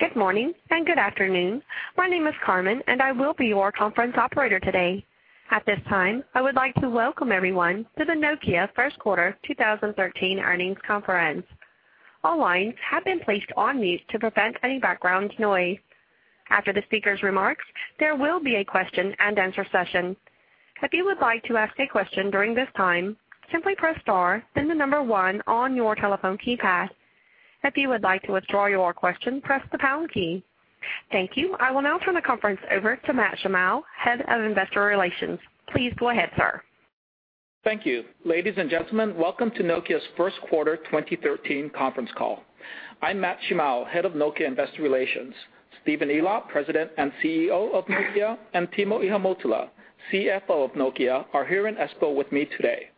Good morning and good afternoon. My name is Carmen, and I will be your conference operator today. At this time, I would like to welcome everyone to the Nokia first quarter 2013 earnings conference. All lines have been placed on mute to prevent any background noise. After the speaker's remarks, there will be a question and answer session. If you would like to ask a question during this time, simply press star, then the number one on your telephone keypad. If you would like to withdraw your question, press the pound key. Thank you. I will now turn the conference over to Matt Shimao, head of investor relations. Please go ahead, sir. Thank you. Ladies and gentlemen, welcome to Nokia's first quarter 2013 conference call. I'm Matt Shimao, head of Nokia investor relations. Stephen Elop, President and CEO of Nokia, and Timo Ihamuotila, CFO of Nokia, are here in Espoo with me today.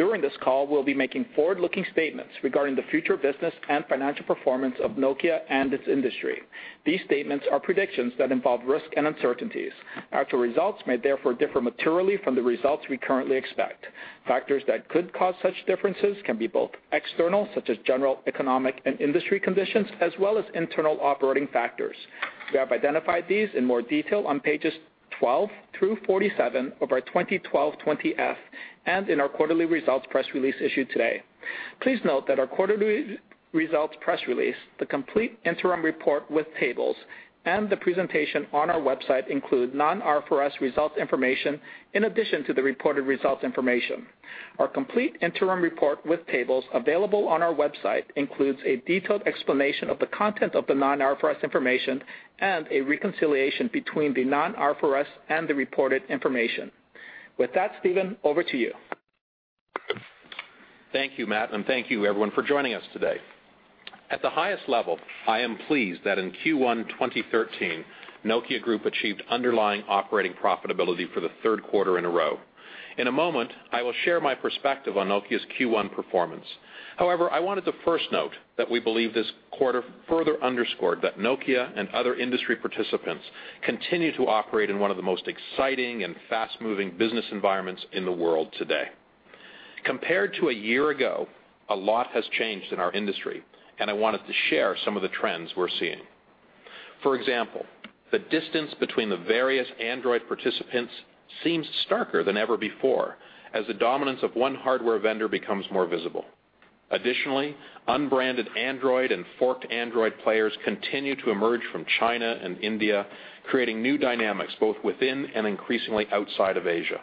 During this call, we'll be making forward-looking statements regarding the future business and financial performance of Nokia and its industry. These statements are predictions that involve risk and uncertainties. Actual results may therefore differ materially from the results we currently expect. Factors that could cause such differences can be both external, such as general economic and industry conditions, as well as internal operating factors. We have identified these in more detail on pages 12 through 47 of our 2012 20-F and in our quarterly results press release issued today. Please note that our quarterly results press release, the complete interim report with tables, and the presentation on our website includenon-IFRS results information in addition to the reported results information. Our complete interim report with tables available on our website includes a detailed explanation of the content of the non-IFRS information and a reconciliation between the non-IFRS and the reported information. With that, Stephen, over to you. Thank you, Matt, and thank you, everyone, for joining us today. At the highest level, I am pleased that in Q1 2013, Nokia Group achieved underlying operating profitability for the third quarter in a row. In a moment, I will share my perspective on Nokia's Q1 performance. However, I wanted to first note that we believe this quarter further underscored that Nokia and other industry participants continue to operate in one of the most exciting and fast-moving business environments in the world today. Compared to a year ago, a lot has changed in our industry, and I wanted to share some of the trends we're seeing. For example, the distance between the various Android participants seems starker than ever before as the dominance of one hardware vendor becomes more visible. Additionally, unbranded Android and forked Android players continue to emerge from China and India, creating new dynamics both within and increasingly outside of Asia.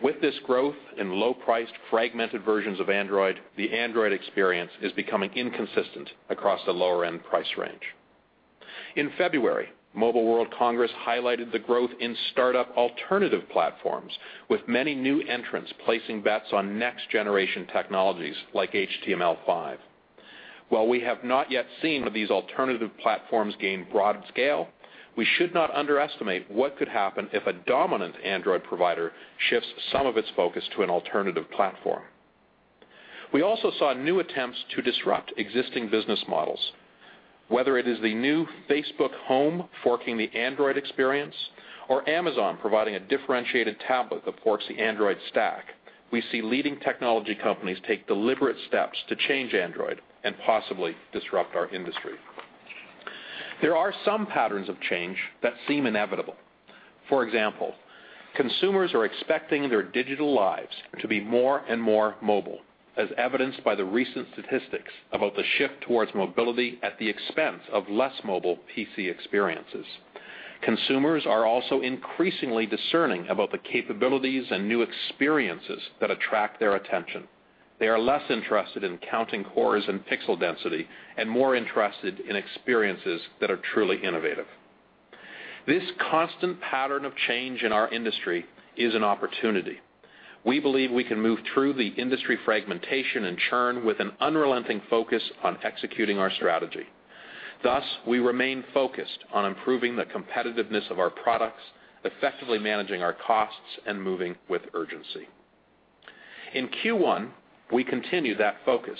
With this growth in low-priced, fragmented versions of Android, the Android experience is becoming inconsistent across the lower-end price range. In February, Mobile World Congress highlighted the growth in startup alternative platforms, with many new entrants placing bets on next-generation technologies like HTML5. While we have not yet seen these alternative platforms gain broad scale, we should not underestimate what could happen if a dominant Android provider shifts some of its focus to an alternative platform. We also saw new attempts to disrupt existing business models. Whether it is the new Facebook Home forking the Android experience or Amazon providing a differentiated tablet that forks the Android stack, we see leading technology companies take deliberate steps to change Android and possibly disrupt our industry. There are some patterns of change that seem inevitable. For example, consumers are expecting their digital lives to be more and more mobile, as evidenced by the recent statistics about the shift towards mobility at the expense of less mobile PC experiences. Consumers are also increasingly discerning about the capabilities and new experiences that attract their attention. They are less interested in counting cores and pixel density and more interested in experiences that are truly innovative. This constant pattern of change in our industry is an opportunity. We believe we can move through the industry fragmentation and churn with an unrelenting focus on executing our strategy. Thus, we remain focused on improving the competitiveness of our products, effectively managing our costs, and moving with urgency. In Q1, we continued that focus,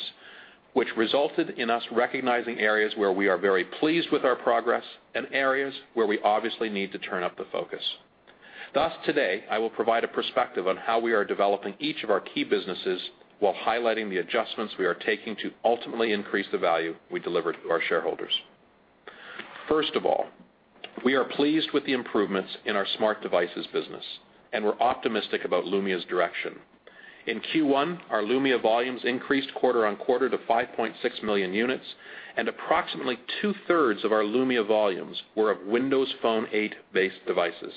which resulted in us recognizing areas where we are very pleased with our progress and areas where we obviously need to turn up the focus. Thus, today, I will provide a perspective on how we are developing each of our key businesses while highlighting the adjustments we are taking to ultimately increase the value we deliver to our shareholders. First of all, we are pleased with the improvements in our smart devices business, and we're optimistic about Lumia's direction. In Q1, our Lumia volumes increased quarter-over-quarter to 5.6 million units, and approximately two-thirds of our Lumia volumes were of Windows Phone 8-based devices.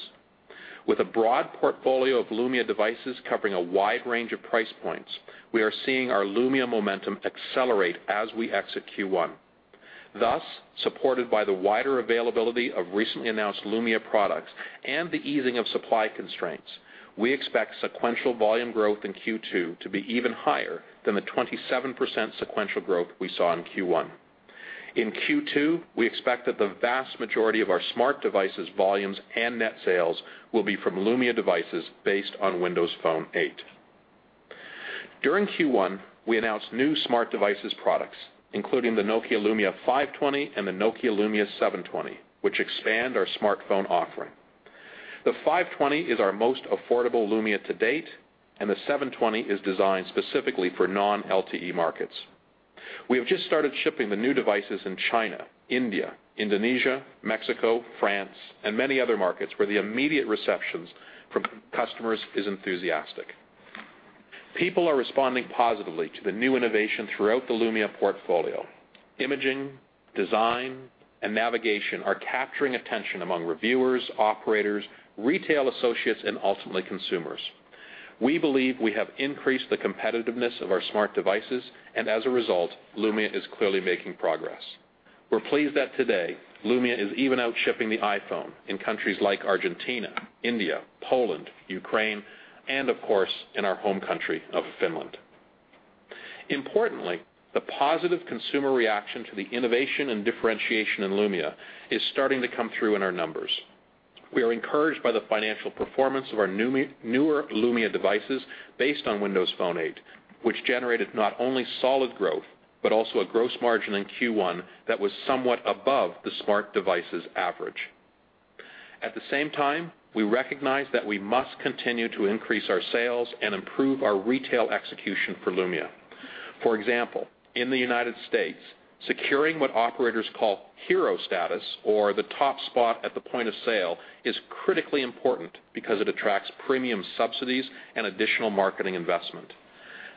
With a broad portfolio of Lumia devices covering a wide range of price points, we are seeing our Lumia momentum accelerate as we exit Q1. Thus, supported by the wider availability of recently announced Lumia products and the easing of supply constraints, we expect sequential volume growth in Q2 to be even higher than the 27% sequential growth we saw in Q1. In Q2, we expect that the vast majority of our smart devices volumes and net sales will be from Lumia devices based on Windows Phone 8. During Q1, we announced new smart devices products, including the Nokia Lumia 520 and the Nokia Lumia 720, which expand our smartphone offering. The 520 is our most affordable Lumia to date, and the 720 is designed specifically for non-LTE markets. We have just started shipping the new devices in China, India, Indonesia, Mexico, France, and many other markets where the immediate receptions from customers are enthusiastic. People are responding positively to the new innovation throughout the Lumia portfolio. Imaging, design, and navigation are capturing attention among reviewers, operators, retail associates, and ultimately consumers. We believe we have increased the competitiveness of our smart devices, and as a result, Lumia is clearly making progress. We're pleased that today, Lumia is even out shipping the iPhone in countries like Argentina, India, Poland, Ukraine, and, of course, in our home country of Finland. Importantly, the positive consumer reaction to the innovation and differentiation in Lumia is starting to come through in our numbers. We are encouraged by the financial performance of our newer Lumia devices based on Windows Phone 8, which generated not only solid growth but also a gross margin in Q1 that was somewhat above the smart devices average. At the same time, we recognize that we must continue to increase our sales and improve our retail execution for Lumia. For example, in the United States, securing what operators call hero status, or the top spot at the point of sale, is critically important because it attracts premium subsidies and additional marketing investment.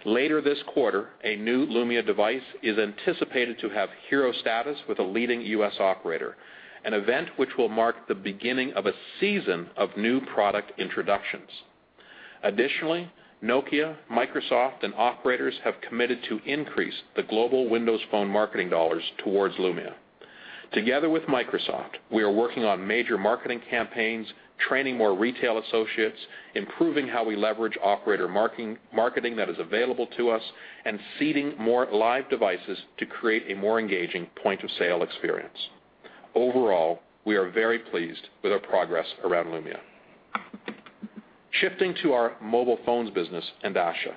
Later this quarter, a new Lumia device is anticipated to have hero status with a leading U.S. operator, an event which will mark the beginning of a season of new product introductions. Additionally, Nokia, Microsoft, and operators have committed to increase the global Windows Phone marketing dollars towards Lumia. Together with Microsoft, we are working on major marketing campaigns, training more retail associates, improving how we leverage operator marketing that is available to us, and seeding more live devices to create a more engaging point-of-sale experience. Overall, we are very pleased with our progress around Lumia. Shifting to our mobile phones business and Asha.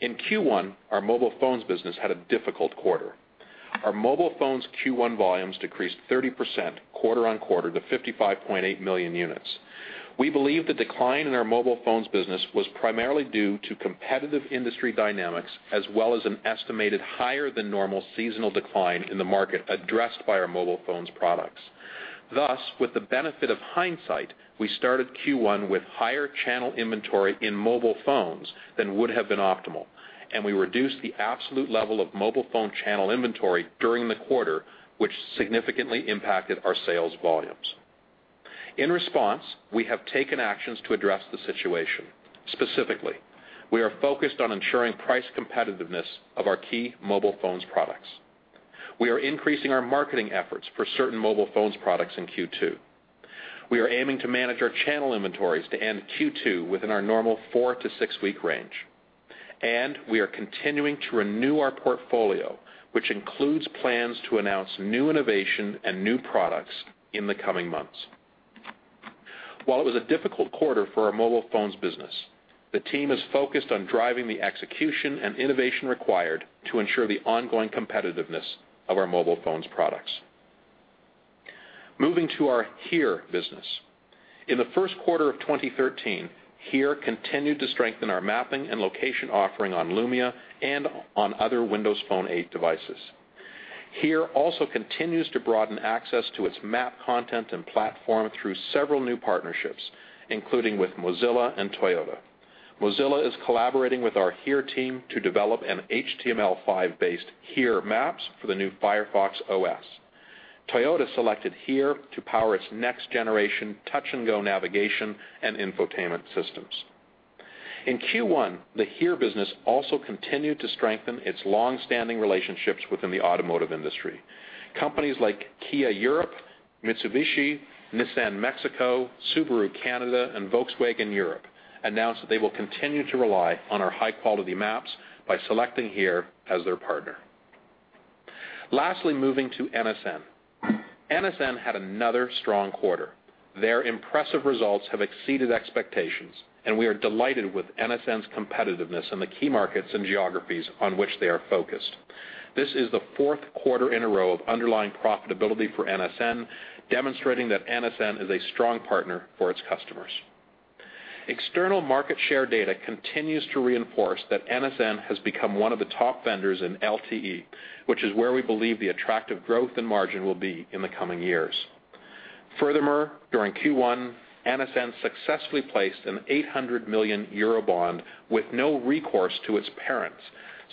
In Q1, our mobile phones business had a difficult quarter. Our mobile phones Q1 volumes decreased 30% quarter-on-quarter to 55.8 million units. We believe the decline in our mobile phones business was primarily due to competitive industry dynamics as well as an estimated higher-than-normal seasonal decline in the market addressed by our mobile phones products. Thus, with the benefit of hindsight, we started Q1 with higher channel inventory in mobile phones than would have been optimal, and we reduced the absolute level of mobile phone channel inventory during the quarter, which significantly impacted our sales volumes. In response, we have taken actions to address the situation. Specifically, we are focused on ensuring price competitiveness of our key mobile phones products. We are increasing our marketing efforts for certain mobile phones products in Q2. We are aiming to manage our channel inventories to end Q2 within our normal 4-6-week range. We are continuing to renew our portfolio, which includes plans to announce new innovation and new products in the coming months. While it was a difficult quarter for our mobile phones business, the team is focused on driving the execution and innovation required to ensure the ongoing competitiveness of our mobile phones products. Moving to our HERE business. In the first quarter of 2013, HERE continued to strengthen our mapping and location offering on Lumia and on other Windows Phone 8 devices. HERE also continues to broaden access to its map content and platform through several new partnerships, including with Mozilla and Toyota. Mozilla is collaborating with our HERE team to develop an HTML5-based HERE maps for the new Firefox OS. Toyota selected HERE to power its next-generation Touch & Go navigation and infotainment systems. In Q1, the HERE business also continued to strengthen its longstanding relationships within the automotive industry. Companies like Kia Europe, Mitsubishi, Nissan Mexico, Subaru Canada, and Volkswagen Europe announced that they will continue to rely on our high-quality maps by selecting HERE as their partner. Lastly, moving to NSN. NSN had another strong quarter. Their impressive results have exceeded expectations, and we are delighted with NSN's competitiveness in the key markets and geographies on which they are focused. This is the fourth quarter in a row of underlying profitability for NSN, demonstrating that NSN is a strong partner for its customers. External market share data continues to reinforce that NSN has become one of the top vendors in LTE, which is where we believe the attractive growth and margin will be in the coming years. Furthermore, during Q1, NSN successfully placed an 800 million euro bond with no recourse to its parents,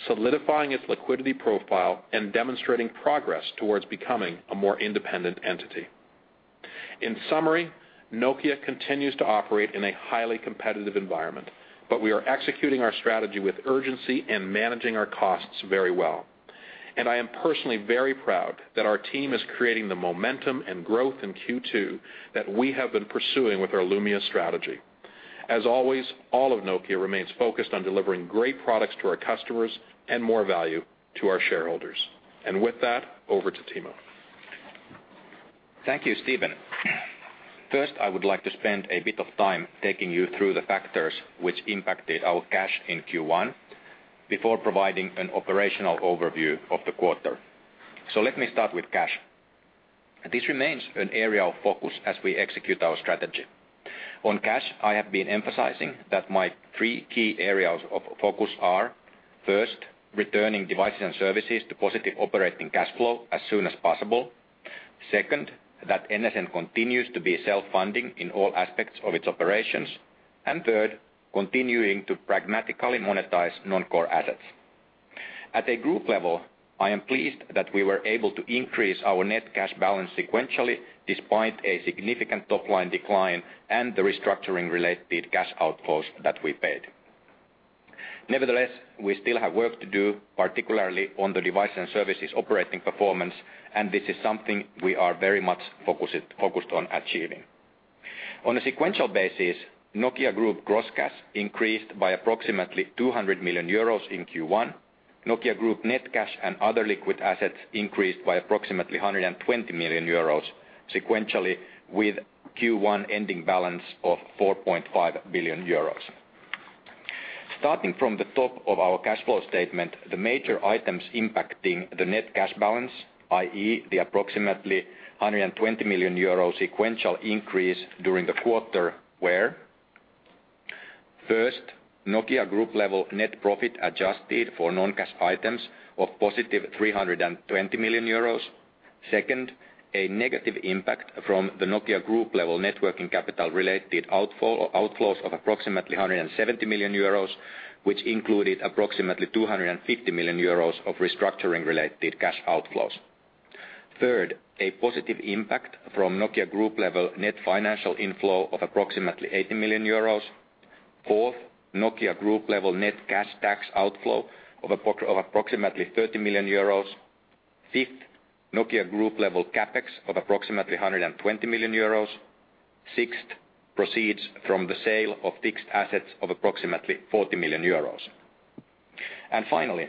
solidifying its liquidity profile and demonstrating progress towards becoming a more independent entity. In summary, Nokia continues to operate in a highly competitive environment, but we are executing our strategy with urgency and managing our costs very well. I am personally very proud that our team is creating the momentum and growth in Q2 that we have been pursuing with our Lumia strategy. As always, all of Nokia remains focused on delivering great products to our customers and more value to our shareholders. With that, over to Timo. Thank you, Stephen. First, I would like to spend a bit of time taking you through the factors which impacted our cash in Q1 before providing an operational overview of the quarter. So let me start with cash. This remains an area of focus as we execute our strategy. On cash, I have been emphasizing that my three key areas of focus are: first, returning devices and services to positive operating cash flow as soon as possible. Second, that NSN continues to be self-funding in all aspects of its operations. And third, continuing to pragmatically monetize non-core assets. At a group level, I am pleased that we were able to increase our net cash balance sequentially despite a significant top-line decline and the restructuring-related cash outflows that we paid. Nevertheless, we still have work to do, particularly on the device and services operating performance, and this is something we are very much focused on achieving. On a sequential basis, Nokia Group gross cash increased by approximately 200 million euros in Q1. Nokia Group net cash and other liquid assets increased by approximately 120 million euros sequentially, with Q1 ending balance of 4.5 billion euros. Starting from the top of our cash flow statement, the major items impacting the net cash balance, i.e., the approximately 120 million euro sequential increase during the quarter were: first, Nokia Group level net profit adjusted for non-cash items of positive 320 million euros; second, a negative impact from the Nokia Group level working capital related outflows of approximately 170 million euros, which included approximately 250 million euros of restructuring-related cash outflows; third, a positive impact from Nokia Group level net financial inflow of approximately 80 million euros; fourth, Nokia Group level net cash tax outflow of approximately 30 million euros; fifth, Nokia Group level CapEx of approximately 120 million euros; sixth, proceeds from the sale of fixed assets of approximately 40 million euros; and finally,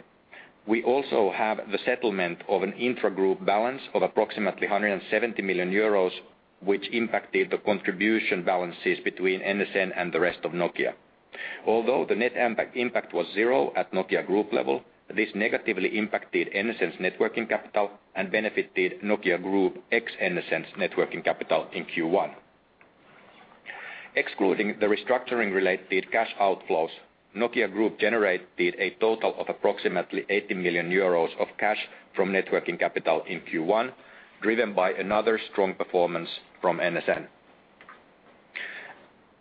we also have the settlement of an intra-group balance of approximately 170 million euros, which impacted the contribution balances between NSN and the rest of Nokia. Although the net impact was zero at Nokia Group level, this negatively impacted NSN's working capital and benefited Nokia Group ex-NSN's working capital in Q1. Excluding the restructuring-related cash outflows, Nokia Group generated a total of approximately 80 million euros of cash from working capital in Q1, driven by another strong performance from NSN.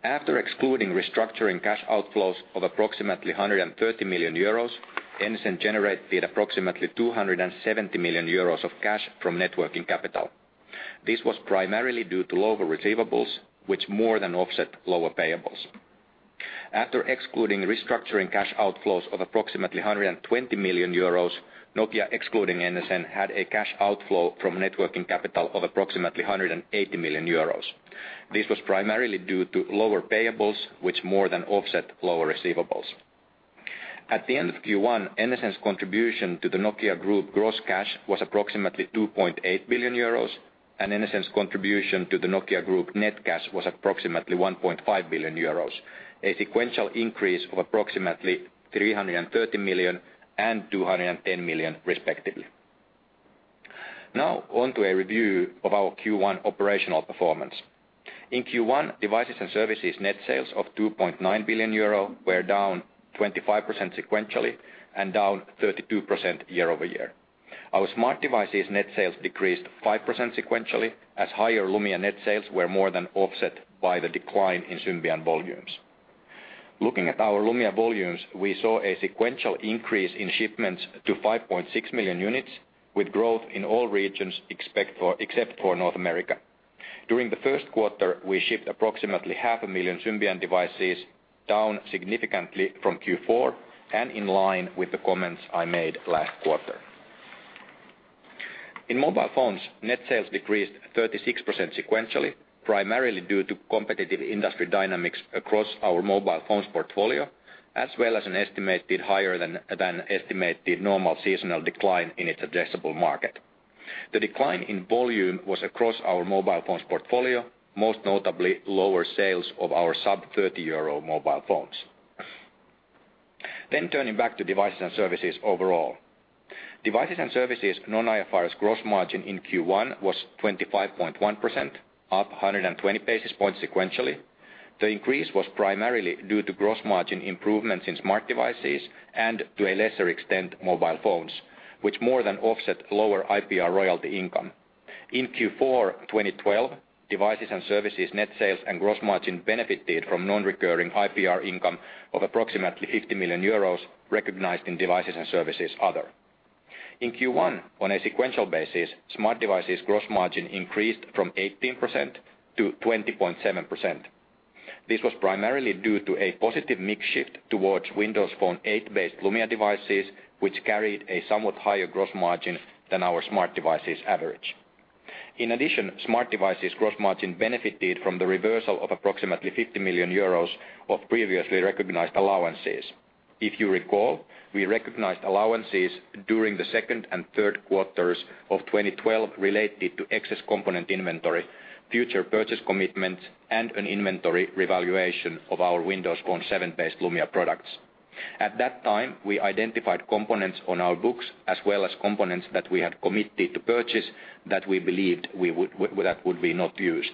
After excluding restructuring cash outflows of approximately 130 million euros, NSN generated approximately 270 million euros of cash from working capital. This was primarily due to lower receivables, which more than offset lower payables. After excluding restructuring cash outflows of approximately 120 million euros, Nokia excluding NSN had a cash outflow from working capital of approximately 180 million euros. This was primarily due to lower payables, which more than offset lower receivables. At the end of Q1, NSN's contribution to the Nokia Group gross cash was approximately 2.8 billion euros, and NSN's contribution to the Nokia Group net cash was approximately 1.5 billion euros, a sequential increase of approximately 330 million and 210 million, respectively. Now onto a review of our Q1 operational performance. In Q1, devices and services net sales of 2.9 billion euro were down 25% sequentially and down 32% year-over-year. Our smart devices net sales decreased 5% sequentially as higher Lumia net sales were more than offset by the decline in Symbian volumes. Looking at our Lumia volumes, we saw a sequential increase in shipments to 5.6 million units, with growth in all regions except for North America. During the first quarter, we shipped approximately 500,000 Symbian devices down significantly from Q4 and in line with the comments I made last quarter. In mobile phones, net sales decreased 36% sequentially, primarily due to competitive industry dynamics across our mobile phones portfolio, as well as an estimated higher than estimated normal seasonal decline in its addressable market. The decline in volume was across our mobile phones portfolio, most notably lower sales of our sub-EUR 30 mobile phones. Then turning back to devices and services overall. Devices and services non-IFRS gross margin in Q1 was 25.1%, up 120 basis points sequentially. The increase was primarily due to gross margin improvements in smart devices and to a lesser extent mobile phones, which more than offset lower IPR royalty income. In Q4 2012, devices and services net sales and gross margin benefited from non-recurring IPR income of approximately 50 million euros recognized in devices and services other. In Q1, on a sequential basis, smart devices gross margin increased from 18% to 20.7%. This was primarily due to a positive mix shift towards Windows Phone 8-based Lumia devices, which carried a somewhat higher gross margin than our smart devices average. In addition, smart devices gross margin benefited from the reversal of approximately 50 million euros of previously recognized allowances. If you recall, we recognized allowances during the second and third quarters of 2012 related to excess component inventory, future purchase commitments, and an inventory revaluation of our Windows Phone 7-based Lumia products. At that time, we identified components on our books as well as components that we had committed to purchase that we believed that would be not used.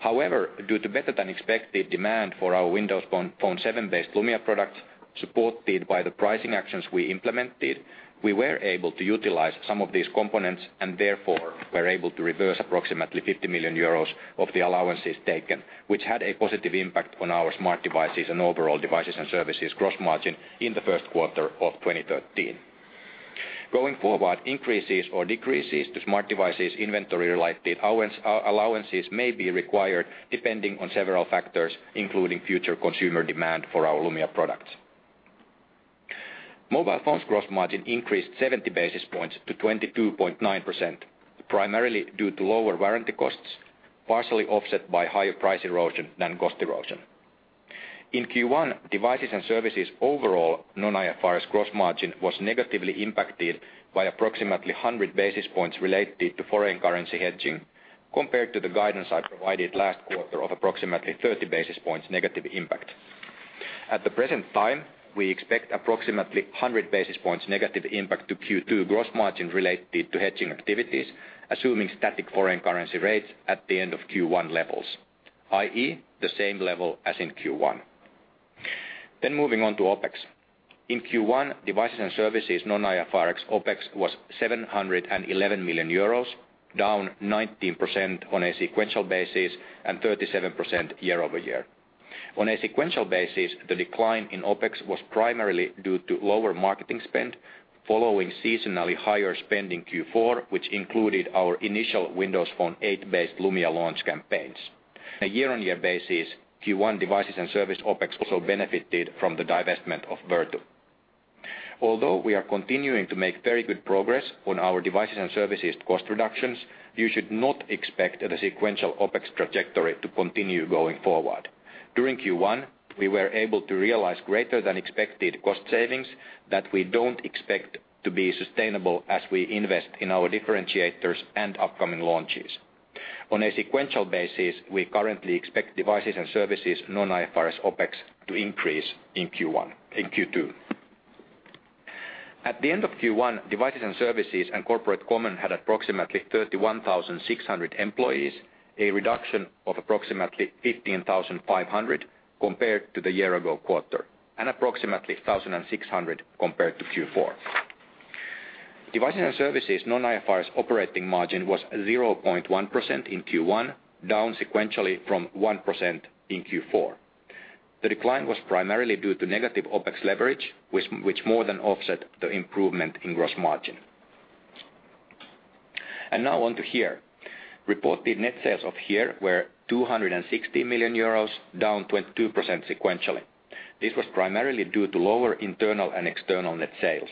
However, due to better than expected demand for our Windows Phone 7-based Lumia products supported by the pricing actions we implemented, we were able to utilize some of these components and therefore were able to reverse approximately 50 million euros of the allowances taken, which had a positive impact on our smart devices and overall devices and services gross margin in the first quarter of 2013. Going forward, increases or decreases to smart devices inventory-related allowances may be required depending on several factors, including future consumer demand for our Lumia products. Mobile phones gross margin increased 70 basis points to 22.9%, primarily due to lower warranty costs, partially offset by higher price erosion than cost erosion. In Q1, devices and services overall non-IFRS gross margin was negatively impacted by approximately 100 basis points related to foreign currency hedging compared to the guidance I provided last quarter of approximately 30 basis points negative impact. At the present time, we expect approximately 100 basis points negative impact to Q2 gross margin related to hedging activities, assuming static foreign currency rates at the end of Q1 levels, i.e., the same level as in Q1. Then moving on to OPEX. In Q1, devices and services non-IFRS OPEX was 711 million euros, down 19% on a sequential basis and 37% year-over-year. On a sequential basis, the decline in OPEX was primarily due to lower marketing spend following seasonally higher spend in Q4, which included our initial Windows Phone 8-based Lumia launch campaigns. On a year-over-year basis, Q1 devices and services OPEX also benefited from the divestment of Vertu. Although we are continuing to make very good progress on our devices and services cost reductions, you should not expect the sequential OpEx trajectory to continue going forward. During Q1, we were able to realize greater than expected cost savings that we don't expect to be sustainable as we invest in our differentiators and upcoming launches. On a sequential basis, we currently expect devices and services non-IFRS OpEx to increase in Q2. At the end of Q1, devices and services and corporate common had approximately 31,600 employees, a reduction of approximately 15,500 compared to the year-ago quarter and approximately 1,600 compared to Q4. Devices and services non-IFRS operating margin was 0.1% in Q1, down sequentially from 1% in Q4. The decline was primarily due to negative OpEx leverage, which more than offset the improvement in gross margin. And now onto HERE. Reported net sales of HERE were 260 million euros, down 22% sequentially. This was primarily due to lower internal and external net sales.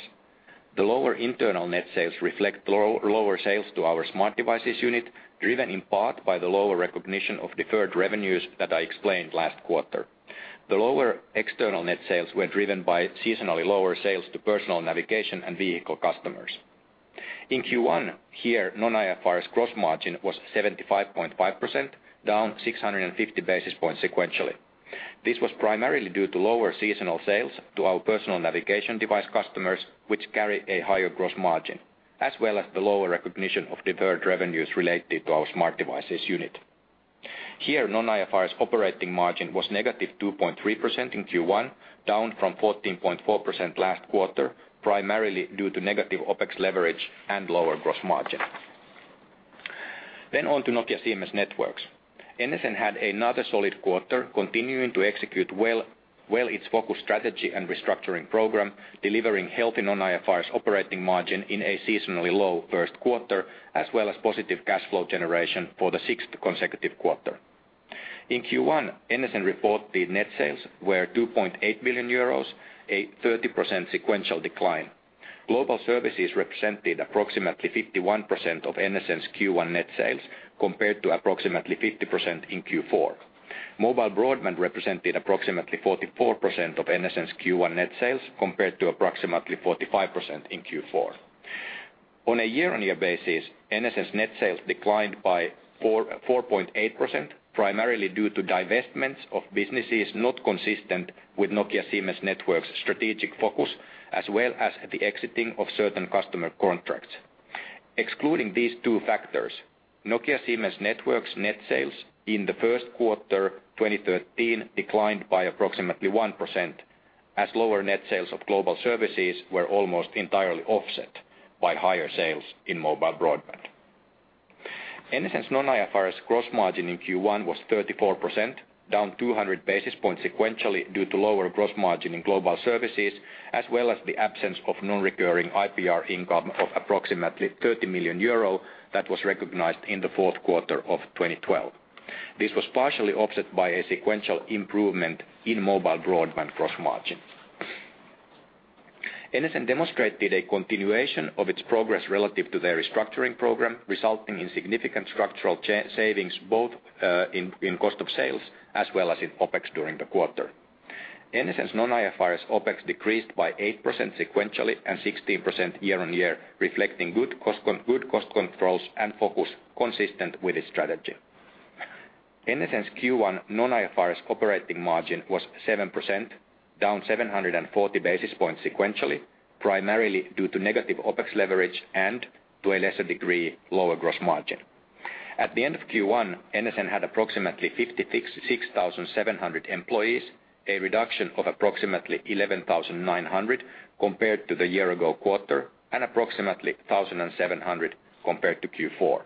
The lower internal net sales reflect lower sales to our smart devices unit, driven in part by the lower recognition of deferred revenues that I explained last quarter. The lower external net sales were driven by seasonally lower sales to personal navigation and vehicle customers. In Q1, HERE non-IFRS gross margin was 75.5%, down 650 basis points sequentially. This was primarily due to lower seasonal sales to our personal navigation device customers, which carry a higher gross margin, as well as the lower recognition of deferred revenues related to our smart devices unit. HERE non-IFRS operating margin was -2.3% in Q1, down from 14.4% last quarter, primarily due to negative OpEx leverage and lower gross margin. Then onto Nokia Siemens Networks. NSN had another solid quarter continuing to execute well its focus strategy and restructuring program, delivering healthy non-IFRS operating margin in a seasonally low first quarter, as well as positive cash flow generation for the sixth consecutive quarter. In Q1, NSN reported net sales were 2.8 million euros, a 30% sequential decline. Global services represented approximately 51% of NSN's Q1 net sales compared to approximately 50% in Q4. Mobile broadband represented approximately 44% of NSN's Q1 net sales compared to approximately 45% in Q4. On a year-on-year basis, NSN's net sales declined by 4.8%, primarily due to divestments of businesses not consistent with Nokia Siemens Networks' strategic focus, as well as the exiting of certain customer contracts. Excluding these two factors, Nokia Siemens Networks' net sales in the first quarter 2013 declined by approximately 1%, as lower net sales of global services were almost entirely offset by higher sales in mobile broadband. NSN's non-IFRS gross margin in Q1 was 34%, down 200 basis points sequentially due to lower gross margin in global services, as well as the absence of non-recurring IPR income of approximately 30 million euro that was recognized in the fourth quarter of 2012. This was partially offset by a sequential improvement in mobile broadband gross margin. NSN demonstrated a continuation of its progress relative to their restructuring program, resulting in significant structural savings both in cost of sales as well as in OPEX during the quarter. NSN's non-IFRS OPEX decreased by 8% sequentially and 16% year on year, reflecting good cost controls and focus consistent with its strategy. NSN's Q1 non-IFRS operating margin was 7%, down 740 basis points sequentially, primarily due to negative OpEx leverage and to a lesser degree lower gross margin. At the end of Q1, NSN had approximately 56,700 employees, a reduction of approximately 11,900 compared to the year-ago quarter and approximately 1,700 compared to Q4.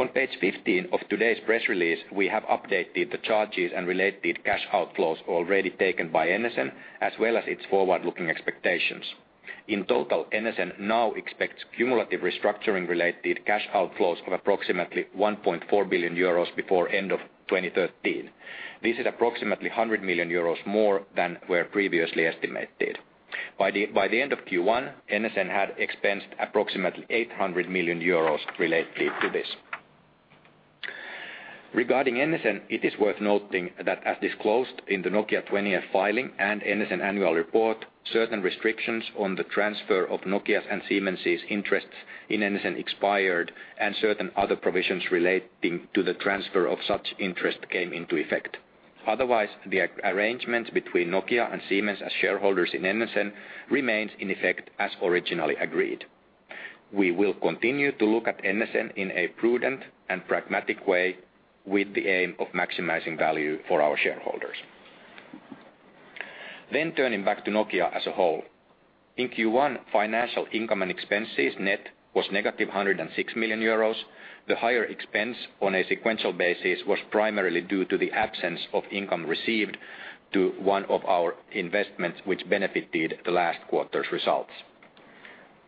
On page 15 of today's press release, we have updated the charges and related cash outflows already taken by NSN, as well as its forward-looking expectations. In total, NSN now expects cumulative restructuring-related cash outflows of approximately 1.4 billion euros before end of 2013. This is approximately 100 million euros more than were previously estimated. By the end of Q1, NSN had expensed approximately 800 million euros related to this. Regarding NSN, it is worth noting that, as disclosed in the Nokia 20F filing and NSN annual report, certain restrictions on the transfer of Nokia's and Siemens's interests in NSN expired, and certain other provisions relating to the transfer of such interest came into effect. Otherwise, the arrangements between Nokia and Siemens as shareholders in NSN remain in effect as originally agreed. We will continue to look at NSN in a prudent and pragmatic way with the aim of maximizing value for our shareholders. Then turning back to Nokia as a whole. In Q1, financial income and expenses net was negative 106 million euros. The higher expense on a sequential basis was primarily due to the absence of income received to one of our investments, which benefited the last quarter's results.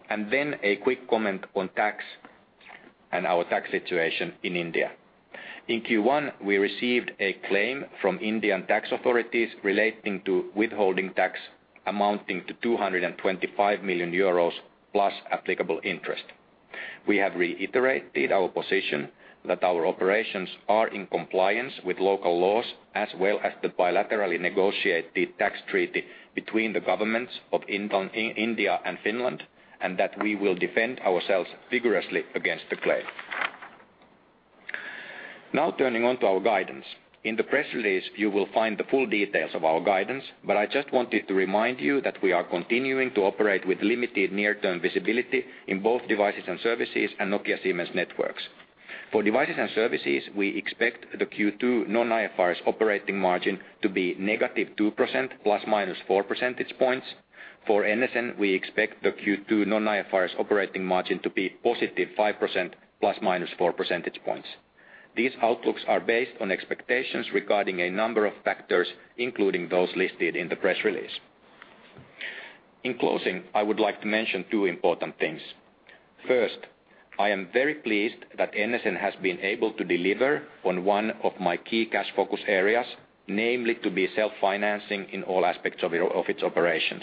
And then a quick comment on tax and our tax situation in India. In Q1, we received a claim from Indian tax authorities relating to withholding tax amounting to 225 million euros plus applicable interest. We have reiterated our position that our operations are in compliance with local laws as well as the bilaterally negotiated tax treaty between the governments of India and Finland, and that we will defend ourselves vigorously against the claim. Now turning onto our guidance. In the press release, you will find the full details of our guidance, but I just wanted to remind you that we are continuing to operate with limited near-term visibility in both devices and services and Nokia Siemens Networks. For devices and services, we expect the Q2 non-IFRS operating margin to be negative 2% ± 4 percentage points. For NSN, we expect the Q2 non-IFRS operating margin to be positive 5% ± 4 percentage points. These outlooks are based on expectations regarding a number of factors, including those listed in the press release. In closing, I would like to mention two important things. First, I am very pleased that NSN has been able to deliver on one of my key cash focus areas, namely to be self-financing in all aspects of its operations.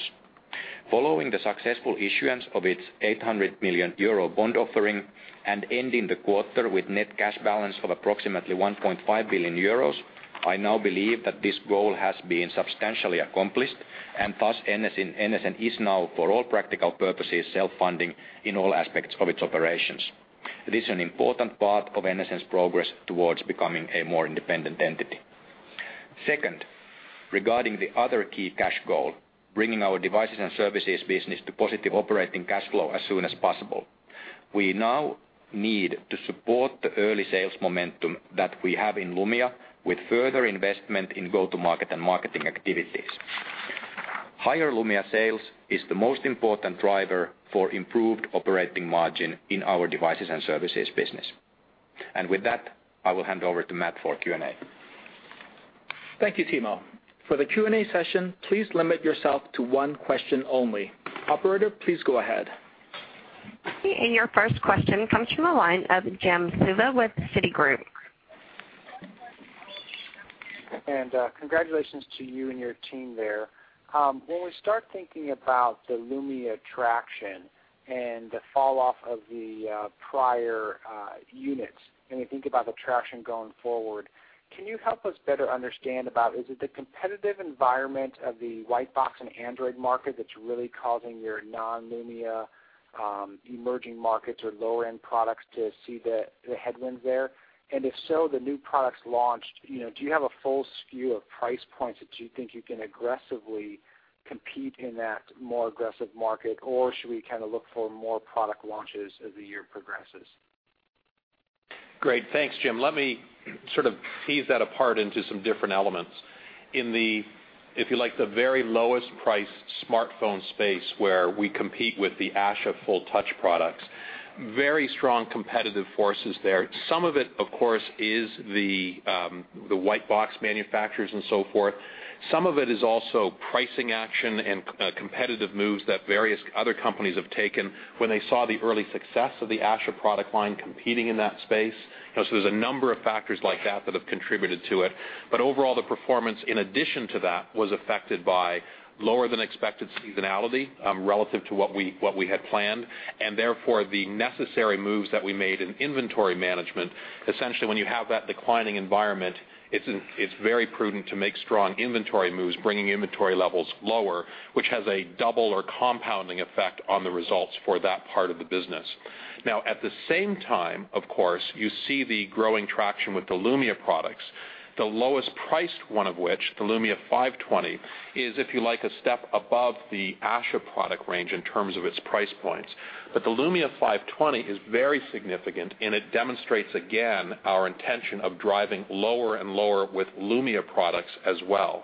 Following the successful issuance of its 800 million euro bond offering and ending the quarter with net cash balance of approximately 1.5 billion euros, I now believe that this goal has been substantially accomplished, and thus NSN is now, for all practical purposes, self-funding in all aspects of its operations. This is an important part of NSN's progress towards becoming a more independent entity. Second, regarding the other key cash goal, bringing our devices and services business to positive operating cash flow as soon as possible, we now need to support the early sales momentum that we have in Lumia with further investment in go-to-market and marketing activities. Higher Lumia sales is the most important driver for improved operating margin in our devices and services business. And with that, I will hand over to Matt for Q&A. Thank you, Timo. For the Q&A session, please limit yourself to one question only. Operator, please go ahead. And your first question comes from a line of Jim Suva with Citigroup. And congratulations to you and your team there. When we start thinking about the Lumia traction and the falloff of the prior units, and we think about the traction going forward, can you help us better understand about is it the competitive environment of the white box and Android market that's really causing your non-Lumia emerging markets or lower-end products to see the headwinds there? And if so, the new products launched, do you have a full suite of price points that you think you can aggressively compete in that more aggressive market, or should we kind of look for more product launches as the year progresses? Great. Thanks, Jim. Let me sort of tease that apart into some different elements. In the, if you like, the very lowest priced smartphone space where we compete with the Asha full touch products, very strong competitive forces there. Some of it, of course, is the white box manufacturers and so forth. Some of it is also pricing action and competitive moves that various other companies have taken when they saw the early success of the Asha product line competing in that space. So there's a number of factors like that that have contributed to it. But overall, the performance, in addition to that, was affected by lower than expected seasonality relative to what we had planned, and therefore the necessary moves that we made in inventory management. Essentially, when you have that declining environment, it's very prudent to make strong inventory moves, bringing inventory levels lower, which has a double or compounding effect on the results for that part of the business. Now, at the same time, of course, you see the growing traction with the Lumia products, the lowest priced one of which, the Lumia 520, is, if you like, a step above the Asha product range in terms of its price points. But the Lumia 520 is very significant, and it demonstrates, again, our intention of driving lower and lower with Lumia products as well.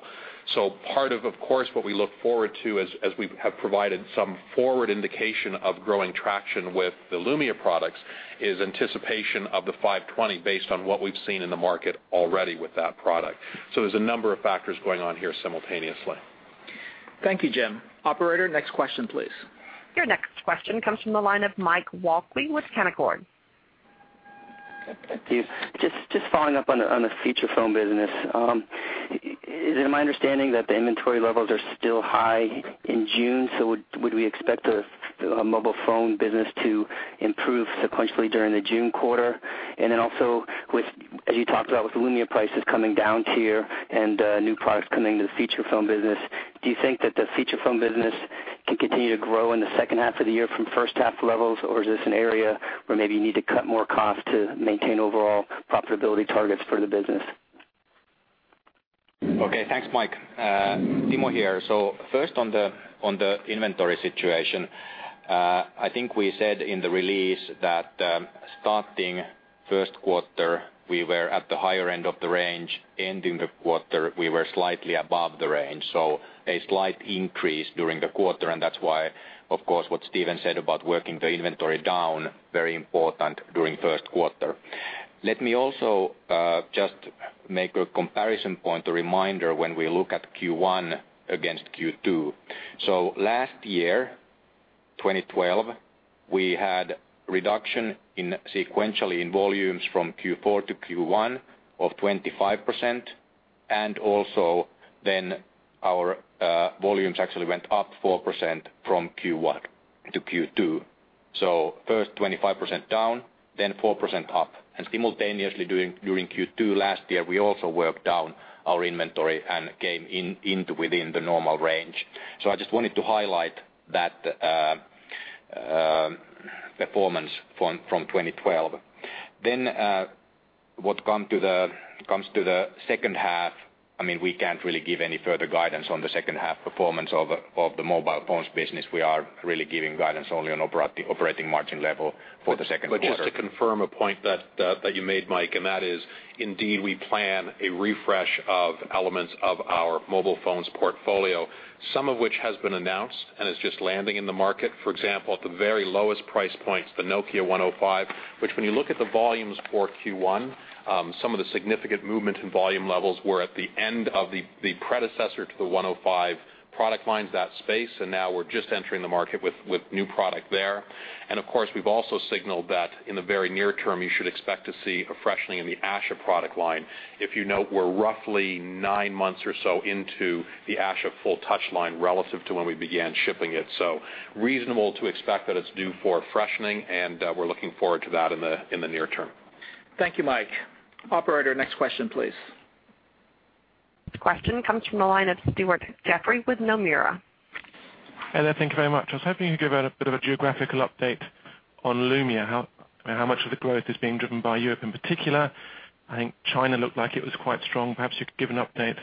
So part of, of course, what we look forward to, as we have provided some forward indication of growing traction with the Lumia products, is anticipation of the 520 based on what we've seen in the market already with that product. So there's a number of factors going on here simultaneously. Thank you, Jim. Operator, next question, please. Your next question comes from the line of Mike Walkley with Canaccord. Thank you. Just following up on the feature phone business. Is it my understanding that the inventory levels are still high in June, so would we expect the mobile phone business to improve sequentially during the June quarter? And then also, as you talked about with Lumia prices coming down to here and new products coming into the feature phone business, do you think that the feature phone business can continue to grow in the second half of the year from first half levels, or is this an area where maybe you need to cut more costs to maintain overall profitability targets for the business? Okay. Thanks, Mike. Timo here. So first, on the inventory situation, I think we said in the release that starting first quarter, we were at the higher end of the range. Ending the quarter, we were slightly above the range, so a slight increase during the quarter. That's why, of course, what Stephen said about working the inventory down, very important during first quarter. Let me also just make a comparison point, a reminder when we look at Q1 against Q2. So last year, 2012, we had reduction sequentially in volumes from Q4 to Q1 of 25%, and also then our volumes actually went up 4% from Q1 to Q2. So first 25% down, then 4% up. And simultaneously, during Q2 last year, we also worked down our inventory and came within the normal range. So I just wanted to highlight that performance from 2012. Then what comes to the second half, I mean, we can't really give any further guidance on the second half performance of the mobile phones business. We are really giving guidance only on operating margin level for the second quarter. But just to confirm a point that you made, Mike, and that is, indeed, we plan a refresh of elements of our mobile phones portfolio, some of which has been announced and is just landing in the market. For example, at the very lowest price points, the Nokia 105, which when you look at the volumes for Q1, some of the significant movement in volume levels were at the end of the predecessor to the 105 product lines, that space, and now we're just entering the market with new product there. And of course, we've also signaled that in the very near term, you should expect to see a freshening in the Asha product line. If you note, we're roughly nine months or so into the Asha full touch line relative to when we began shipping it. So reasonable to expect that it's due for freshening, and we're looking forward to that in the near term. Thank you, Mike. Operator, next question, please. Question comes from the line of Stuart Jeffrey with Nomura. Hey there. Thank you very much. I was hoping you could give a bit of a geographical update on Lumia, how much of the growth is being driven by Europe in particular. I think China looked like it was quite strong. Perhaps you could give an update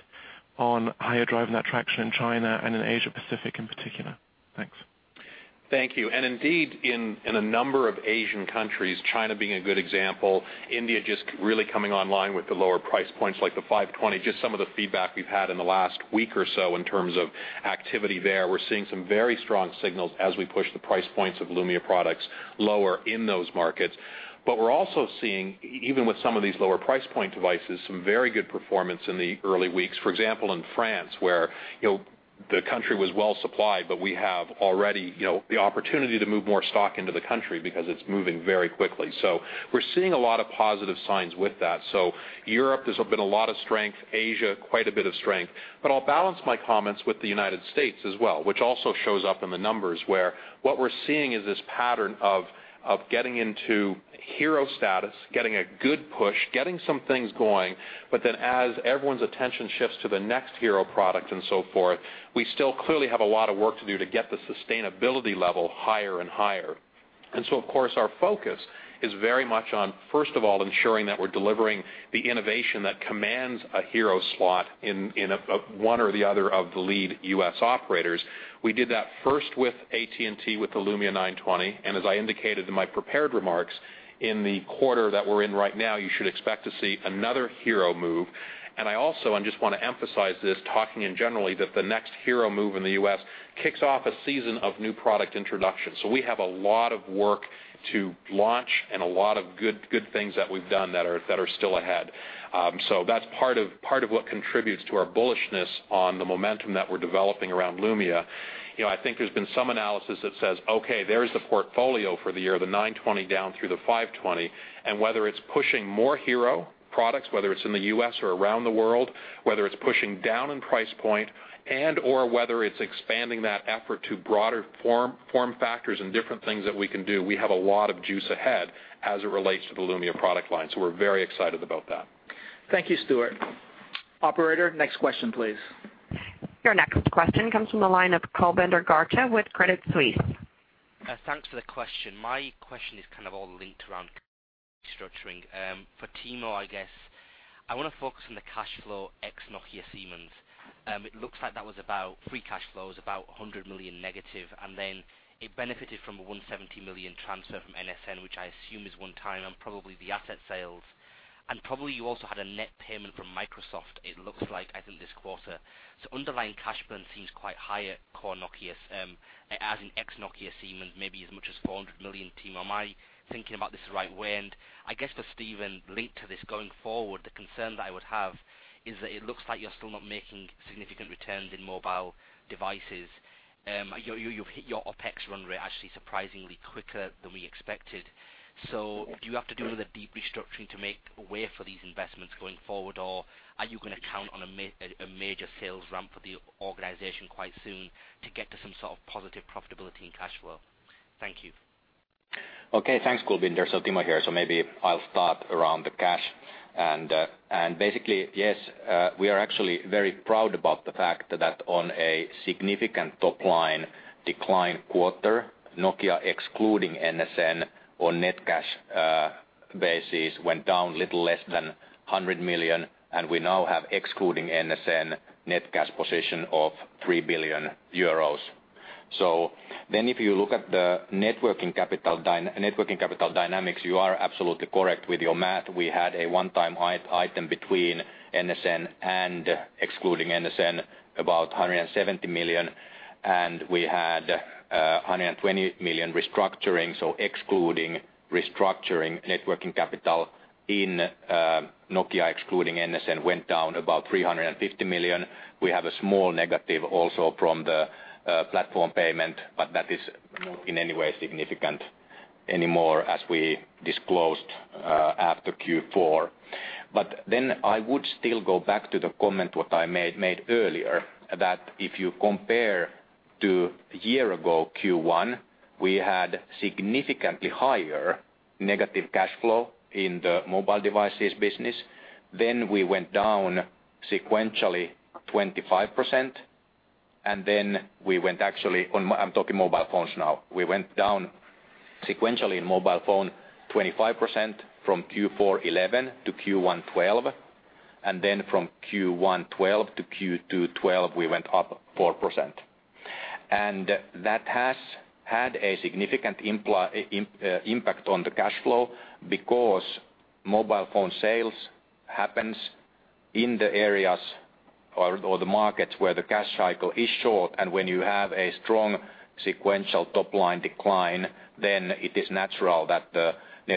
on how you're driving that traction in China and in Asia-Pacific in particular. Thanks. Thank you. And indeed, in a number of Asian countries, China being a good example, India just really coming online with the lower price points like the 520, just some of the feedback we've had in the last week or so in terms of activity there. We're seeing some very strong signals as we push the price points of Lumia products lower in those markets. But we're also seeing, even with some of these lower price point devices, some very good performance in the early weeks. For example, in France, where the country was well supplied, but we have already the opportunity to move more stock into the country because it's moving very quickly. So we're seeing a lot of positive signs with that. So Europe, there's been a lot of strength. Asia, quite a bit of strength. But I'll balance my comments with the United States as well, which also shows up in the numbers where what we're seeing is this pattern of getting into hero status, getting a good push, getting some things going, but then as everyone's attention shifts to the next hero product and so forth, we still clearly have a lot of work to do to get the sustainability level higher and higher. And so, of course, our focus is very much on, first of all, ensuring that we're delivering the innovation that commands a hero slot in one or the other of the lead U.S. operators. We did that first with AT&T with the Lumia 920. And as I indicated in my prepared remarks, in the quarter that we're in right now, you should expect to see another hero move. And I also just want to emphasize this, talking generally, that the next hero move in the U.S. kicks off a season of new product introduction. So we have a lot of work to launch and a lot of good things that we've done that are still ahead. So that's part of what contributes to our bullishness on the momentum that we're developing around Lumia. I think there's been some analysis that says, "Okay, there's the portfolio for the year, the 920 down through the 520," and whether it's pushing more hero products, whether it's in the U.S. or around the world, whether it's pushing down in price point, and/or whether it's expanding that effort to broader form factors and different things that we can do, we have a lot of juice ahead as it relates to the Lumia product line. So we're very excited about that. Thank you, Stuart. Operator, next question, please. Your next question comes from the line of Kulbinder Garcha with Credit Suisse. Thanks for the question. My question is kind of all linked around restructuring. For Timo, I guess, I want to focus on the cash flow ex Nokia Siemens. It looks like that was about free cash flow was about 100 million negative, and then it benefited from a 170 million transfer from NSN, which I assume is one time and probably the asset sales. And probably you also had a net payment from Microsoft, it looks like, I think this quarter. So underlying cash flow seems quite high at core Nokia. As in ex Nokia Siemens, maybe as much as 400 million, Timo. Am I thinking about this the right way? I guess for Stephen, linked to this going forward, the concern that I would have is that it looks like you're still not making significant returns in mobile devices. You've hit your OPEX run rate actually surprisingly quicker than we expected. So do you have to do another deep restructuring to make way for these investments going forward, or are you going to count on a major sales ramp for the organization quite soon to get to some sort of positive profitability and cash flow? Thank you. Okay. Thanks, Kulbinder. So Timo here. So maybe I'll start around the cash. And basically, yes, we are actually very proud about the fact that on a significant topline decline quarter, Nokia excluding NSN on net cash basis went down a little less than 100 million, and we now have excluding NSN net cash position of 3 billion euros. So then if you look at the net working capital dynamics, you are absolutely correct with your math. We had a one-time item between NSN and excluding NSN about 170 million, and we had 120 million restructuring. So excluding restructuring net working capital in Nokia excluding NSN went down about 350 million. We have a small negative also from the platform payment, but that is not in any way significant anymore as we disclosed after Q4. But then I would still go back to the comment what I made earlier, that if you compare to a year ago, Q1, we had significantly higher negative cash flow in the mobile devices business. Then we went down sequentially 25%, and then we went actually, I'm talking mobile phones now. We went down sequentially in mobile phone 25% from Q4.11 to Q1.12, and then from Q1.12 to Q2.12, we went up 4%. That has had a significant impact on the cash flow because mobile phone sales happen in the areas or the markets where the cash cycle is short, and when you have a strong sequential top-line decline, then it is natural that the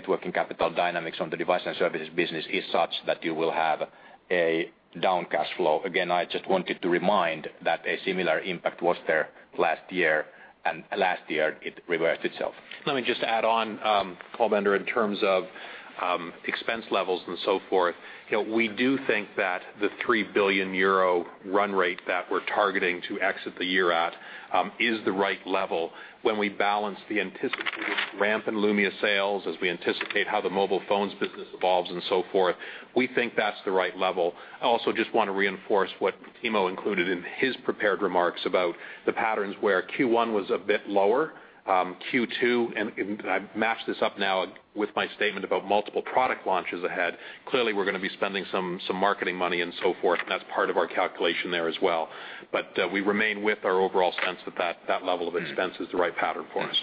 working capital dynamics on the device and services business is such that you will have a down cash flow. Again, I just wanted to remind that a similar impact was there last year, and last year it reversed itself. Let me just add on, Kulbinder, in terms of expense levels and so forth. We do think that the 3 billion euro run rate that we're targeting to exit the year at is the right level. When we balance the anticipated ramp in Lumia sales, as we anticipate how the mobile phones business evolves and so forth, we think that's the right level. I also just want to reinforce what Timo included in his prepared remarks about the patterns where Q1 was a bit lower. Q2, and I match this up now with my statement about multiple product launches ahead. Clearly, we're going to be spending some marketing money and so forth. That's part of our calculation there as well. But we remain with our overall sense that that level of expense is the right pattern for us.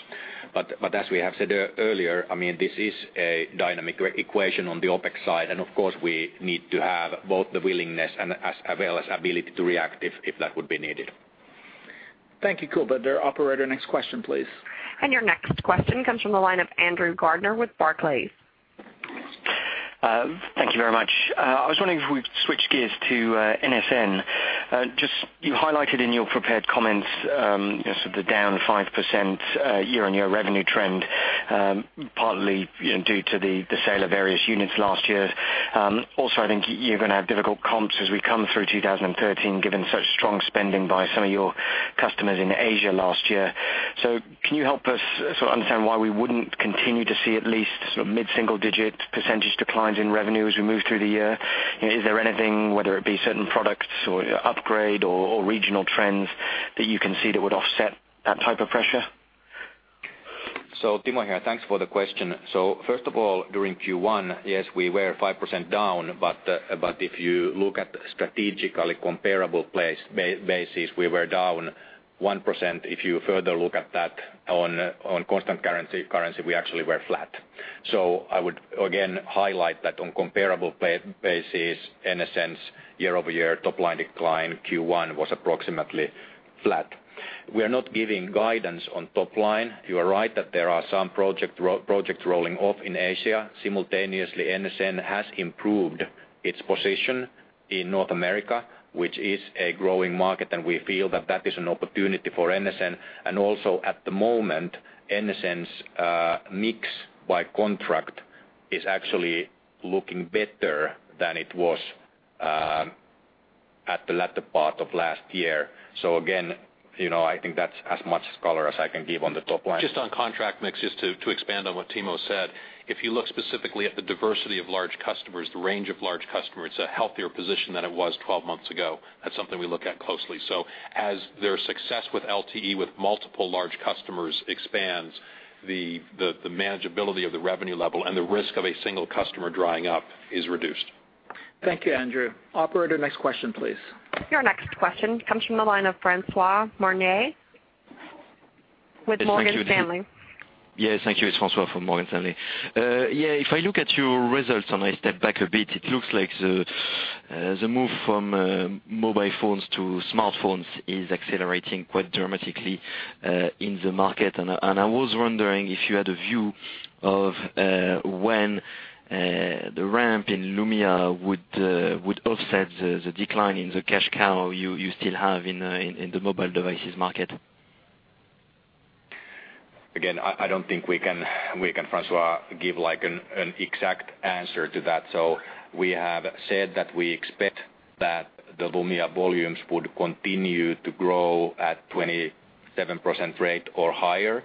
But as we have said earlier, I mean, this is a dynamic equation on the OPEX side, and of course, we need to have both the willingness and as well as ability to react if that would be needed. Thank you, Kulbinder. Operator, next question, please. And your next question comes from the line of Andrew Gardiner with Barclays. Thank you very much. I was wondering if we could switch gears to NSN. You highlighted in your prepared comments sort of the down 5% year-on-year revenue trend, partly due to the sale of various units last year. Also, I think you're going to have difficult comps as we come through 2013, given such strong spending by some of your customers in Asia last year. So can you help us sort of understand why we wouldn't continue to see at least sort of mid-single digit percentage declines in revenue as we move through the year? Is there anything, whether it be certain products or upgrade or regional trends, that you can see that would offset that type of pressure? So Timo here. Thanks for the question. So first of all, during Q1, yes, we were 5% down, but if you look at strategically comparable basis, we were down 1%. If you further look at that on constant currency, we actually were flat. So I would again highlight that on comparable basis, in a sense, year-over-year top-line decline, Q1 was approximately flat. We are not giving guidance on top-line. You are right that there are some projects rolling off in Asia. Simultaneously, NSN has improved its position in North America, which is a growing market, and we feel that that is an opportunity for NSN. And also at the moment, NSN's mix by contract is actually looking better than it was at the latter part of last year. So again, I think that's as much color as I can give on the top-line. Just on contract mix, just to expand on what Timo said, if you look specifically at the diversity of large customers, the range of large customers, it's a healthier position than it was 12 months ago. That's something we look at closely. So as their success with LTE with multiple large customers expands, the manageability of the revenue level and the risk of a single customer drying up is reduced. Thank you, Andrew. Operator, next question, please. Your next question comes from the line of François Meunier with Morgan Stanley. Yes. Thank you, François from Morgan Stanley. Yeah. If I look at your results and I step back a bit, it looks like the move from mobile phones to smartphones is accelerating quite dramatically in the market. And I was wondering if you had a view of when the ramp in Lumia would offset the decline in the cash cow you still have in the mobile devices market. Again, I don't think we can, François, give an exact answer to that. So we have said that we expect that the Lumia volumes would continue to grow at 27% rate or higher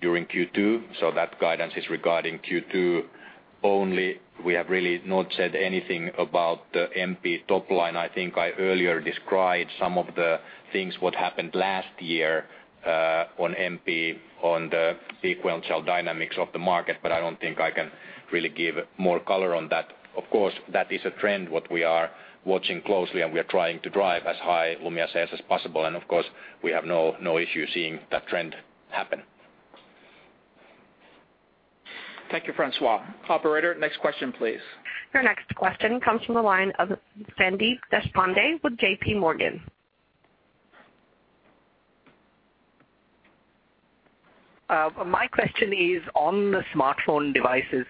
during Q2. So that guidance is regarding Q2 only. We have really not said anything about the MP topline. I think I earlier described some of the things, what happened last year on MP, on the sequential dynamics of the market, but I don't think I can really give more color on that. Of course, that is a trend what we are watching closely, and we are trying to drive as high Lumia sales as possible. And of course, we have no issue seeing that trend happen. Thank you, François. Operator, next question, please. Your next question comes from the line of Sandeep Deshpande with JPMorgan. My question is on the smartphone devices.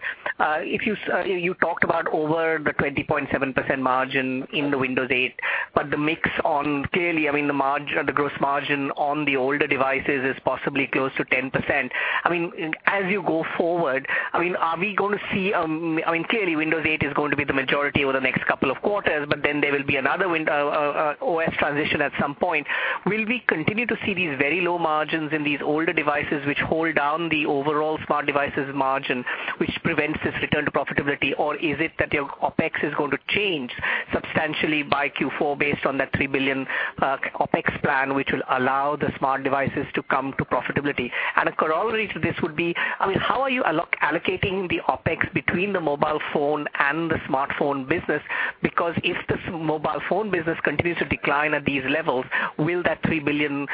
You talked about over the 20.7% margin in the Windows 8, but the mix on clearly, I mean, the gross margin on the older devices is possibly close to 10%. I mean, as you go forward, I mean, are we going to see I mean, clearly, Windows 8 is going to be the majority over the next couple of quarters, but then there will be another OS transition at some point. Will we continue to see these very low margins in these older devices, which hold down the overall smart devices margin, which prevents this return to profitability, or is it that your OpEx is going to change substantially by Q4 based on that 3 billion OpEx plan, which will allow the smart devices to come to profitability? A corollary to this would be, I mean, how are you allocating the OpEx between the mobile phone and the smartphone business? Because if this mobile phone business continues to decline at these levels, will that 3 billion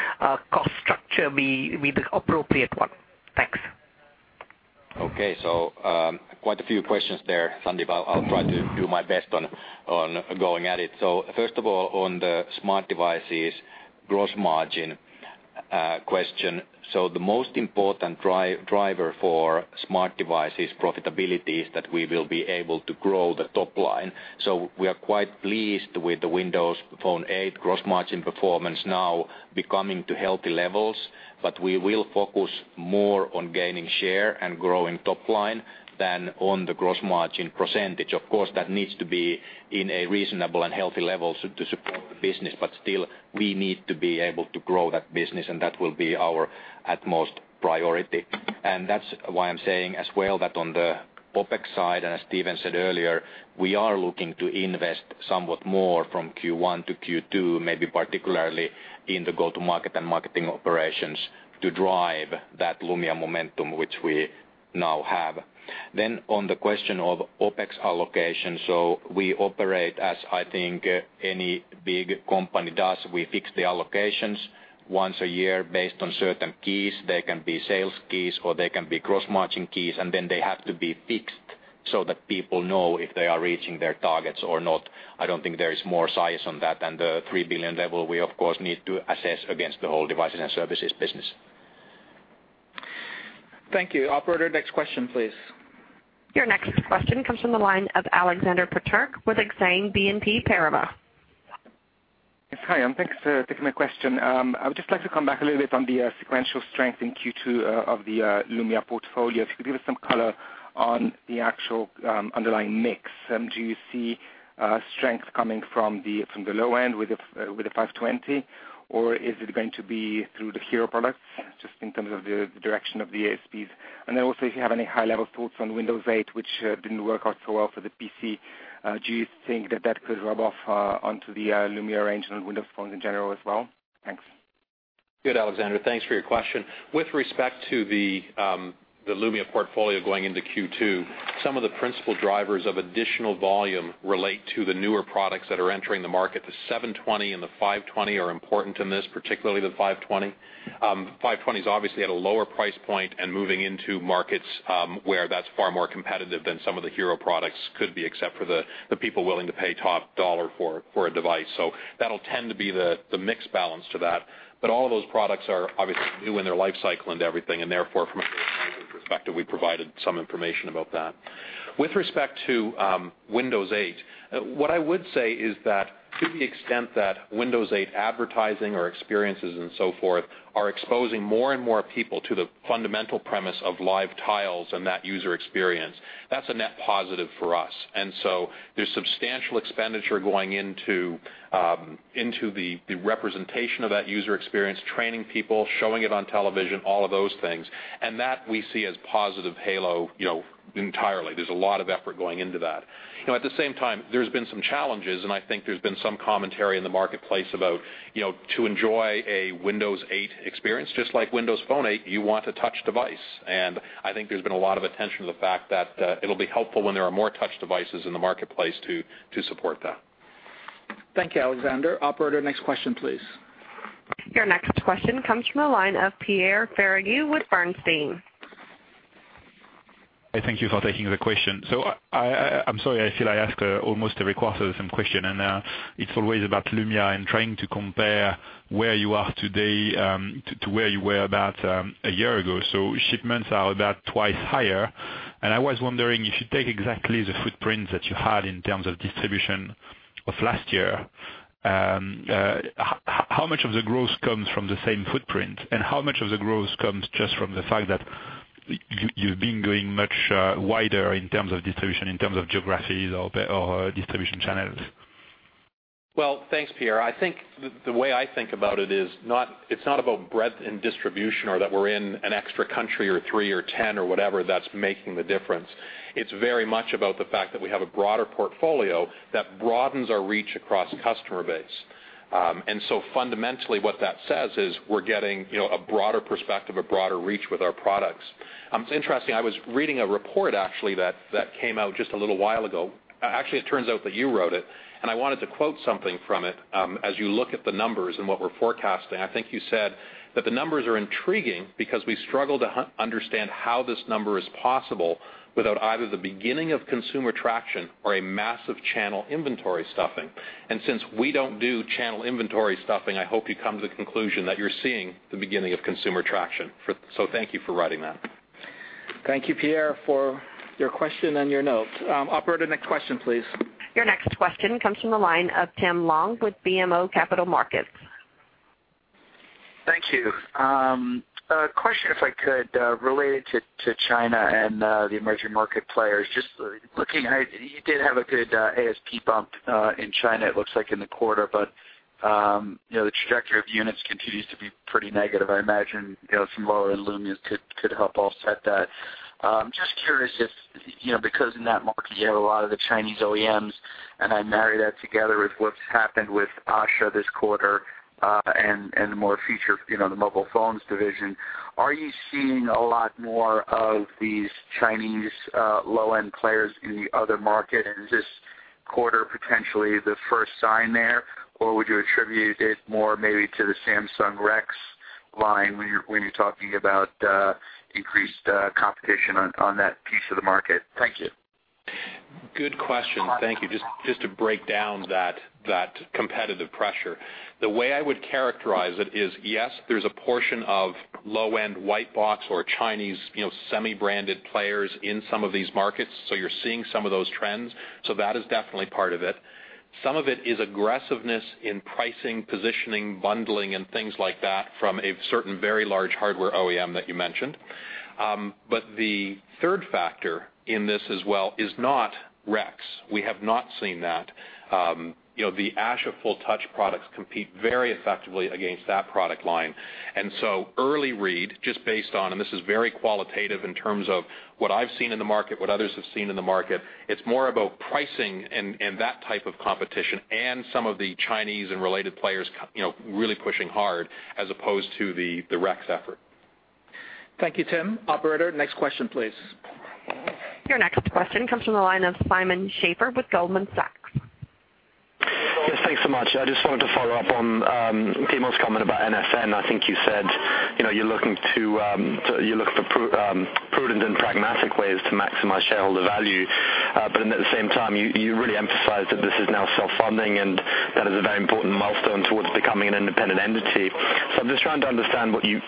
cost structure be the appropriate one? Thanks. Okay. So quite a few questions there, Sandy. I'll try to do my best on going at it. So first of all, on the smart devices gross margin question, so the most important driver for smart devices profitability is that we will be able to grow the topline. So we are quite pleased with the Windows Phone 8 gross margin performance now becoming to healthy levels, but we will focus more on gaining share and growing topline than on the gross margin percentage. Of course, that needs to be in a reasonable and healthy level to support the business, but still, we need to be able to grow that business, and that will be our utmost priority. And that's why I'm saying as well that on the OPEX side, and as Stephen said earlier, we are looking to invest somewhat more from Q1 to Q2, maybe particularly in the go-to-market and marketing operations to drive that Lumia momentum, which we now have. Then on the question of OPEX allocation, so we operate as I think any big company does. We fix the allocations once a year based on certain keys. They can be sales keys or they can be gross margin keys, and then they have to be fixed so that people know if they are reaching their targets or not. I don't think there is more to say on that. And the 3 billion level, we, of course, need to assess against the whole devices and services business. Thank you. Operator, next question, please. Your next question comes from the line of Alexander Peterc with Exane BNP Paribas. Hi. Thanks for taking my question. I would just like to come back a little bit on the sequential strength in Q2 of the Lumia portfolio. If you could give us some color on the actual underlying mix. Do you see strength coming from the low end with the 520, or is it going to be through the hero products just in terms of the direction of the ASPs? And then also, if you have any high-level thoughts on Windows 8, which didn't work out so well for the PC, do you think that that could rub off onto the Lumia range and on Windows phones in general as well? Thanks. Good, Alexander. Thanks for your question. With respect to the Lumia portfolio going into Q2, some of the principal drivers of additional volume relate to the newer products that are entering the market. The 720 and the 520 are important in this, particularly the 520. 520 is obviously at a lower price point and moving into markets where that's far more competitive than some of the hero products could be, except for the people willing to pay top dollar for a device. So that'll tend to be the mix balance to that. But all of those products are obviously new in their life cycle and everything, and therefore, from a gross margin perspective, we provided some information about that. With respect to Windows 8, what I would say is that to the extent that Windows 8 advertising or experiences and so forth are exposing more and more people to the fundamental premise of Live Tiles and that user experience, that's a net positive for us. So there's substantial expenditure going into the representation of that user experience, training people, showing it on television, all of those things. That we see as positive halo entirely. There's a lot of effort going into that. At the same time, there's been some challenges, and I think there's been some commentary in the marketplace about to enjoy a Windows 8 experience, just like Windows Phone 8, you want a touch device. I think there's been a lot of attention to the fact that it'll be helpful when there are more touch devices in the marketplace to support that. Thank you, Alexander. Operator, next question, please. Your next question comes from the line of Pierre Ferragu with Bernstein. Hi. Thank you for taking the question. So I'm sorry. I feel I asked almost every question of the same question, and it's always about Lumia and trying to compare where you are today to where you were about a year ago. So shipments are about twice higher. And I was wondering if you take exactly the footprint that you had in terms of distribution of last year, how much of the growth comes from the same footprint, and how much of the growth comes just from the fact that you've been going much wider in terms of distribution, in terms of geographies or distribution channels? Well, thanks, Pierre.I think the way I think about it is it's not about breadth in distribution or that we're in an extra country or 3 or 10 or whatever that's making the difference. It's very much about the fact that we have a broader portfolio that broadens our reach across customer base. And so fundamentally, what that says is we're getting a broader perspective, a broader reach with our products. It's interesting. I was reading a report, actually, that came out just a little while ago. Actually, it turns out that you wrote it, and I wanted to quote something from it. As you look at the numbers and what we're forecasting, I think you said that the numbers are intriguing because we struggle to understand how this number is possible without either the beginning of consumer traction or a massive channel inventory stuffing. And since we don't do channel inventory stuffing, I hope you come to the conclusion that you're seeing the beginning of consumer traction. So thank you for writing that. Thank you, Pierre, for your question and your note. Operator, next question, please. Your next question comes from the line of Tim Long with BMO Capital Markets. Thank you. A question, if I could, related to China and the emerging market players. Just looking, you did have a good ASP bump in China, it looks like, in the quarter, but the trajectory of units continues to be pretty negative. I imagine some lower in Lumia could help offset that. I'm just curious if because in that market, you have a lot of the Chinese OEMs, and I marry that together with what's happened with Asha this quarter and the more future of the mobile phones division, are you seeing a lot more of these Chinese low-end players in the other market? And is this quarter potentially the first sign there, or would you attribute it more maybe to the Samsung Rex line when you're talking about increased competition on that piece of the market? Thank you. Good question. Thank you. Just to break down that competitive pressure, the way I would characterize it is, yes, there's a portion of low-end white box or Chinese semi-branded players in some of these markets, so you're seeing some of those trends. So that is definitely part of it. Some of it is aggressiveness in pricing, positioning, bundling, and things like that from a certain very large hardware OEM that you mentioned. But the third factor in this as well is not Rex. We have not seen that. The Asha full-touch products compete very effectively against that product line. And so early read, just based on and this is very qualitative in terms of what I've seen in the market, what others have seen in the market, it's more about pricing and that type of competition and some of the Chinese and related players really pushing hard as opposed to the Rex effort. Thank you, Tim. Operator, next question, please. Your next question comes from the line of Simon Schafer with Goldman Sachs. Yes. Thanks so much. I just wanted to follow up on Timo's comment about NSN. I think you said you're looking for prudent and pragmatic ways to maximize shareholder value, but at the same time, you really emphasized that this is now self-funding and that is a very important milestone towards becoming an independent entity. So I'm just trying to understand what you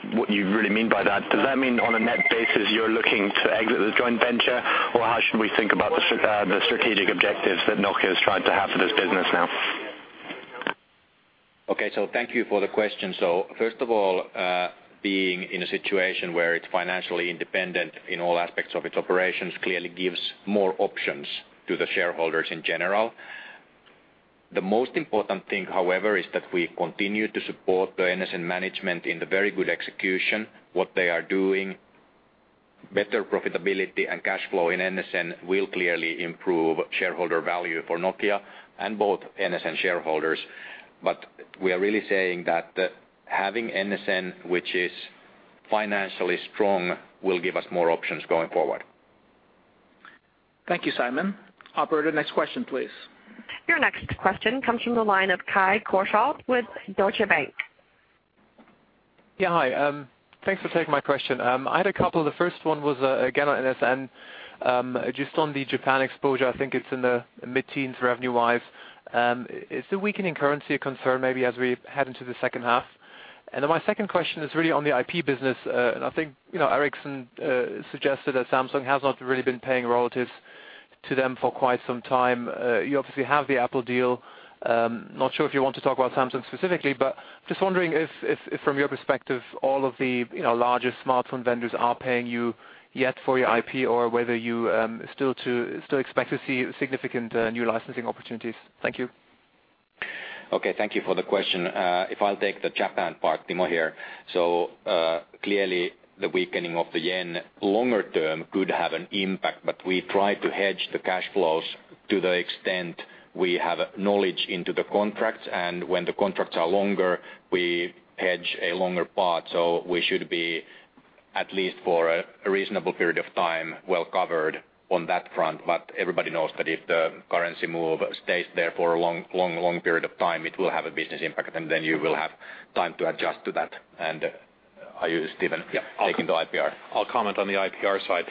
really mean by that. Does that mean on a net basis, you're looking to exit the joint venture, or how should we think about the strategic objectives that Nokia is trying to have for this business now? Okay. So thank you for the question. So first of all, being in a situation where it's financially independent in all aspects of its operations clearly gives more options to the shareholders in general. The most important thing, however, is that we continue to support the NSN management in the very good execution, what they are doing. Better profitability and cash flow in NSN will clearly improve shareholder value for Nokia and both NSN shareholders. But we are really saying that having NSN, which is financially strong, will give us more options going forward. Thank you, Simon. Operator, next question, please. Your next question comes from the line of Kai Korschelt with Deutsche Bank. Yeah. Hi. Thanks for taking my question. I had a couple. The first one was, again, on NSN. Just on the Japan exposure, I think it's in the mid-teens revenue-wise. Is the weakening currency a concern maybe as we head into the second half? And then my second question is really on the IP business. And I think Ericsson suggested that Samsung has not really been paying royalties to them for quite some time. You obviously have the Apple deal. Not sure if you want to talk about Samsung specifically, but just wondering if from your perspective, all of the largest smartphone vendors are paying you yet for your IP or whether you still expect to see significant new licensing opportunities. Thank you. Okay. Thank you for the question. If I'll take the Japan part, Timo here. So clearly, the weakening of the yen longer-term could have an impact, but we try to hedge the cash flows to the extent we have knowledge into the contracts. And when the contracts are longer, we hedge a longer part. So we should be, at least for a reasonable period of time, well covered on that front. But everybody knows that if the currency move stays there for a long period of time, it will have a business impact, and then you will have time to adjust to that. And are you, Stephen, taking the IPR? Yeah. I'll comment on the IPR side.